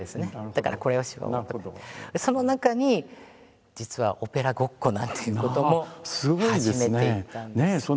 だから「これをしよう！」とかって。その中に実は「オペラごっこ」なんていうことも始めていたんです。